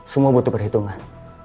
semua butuh perhitungan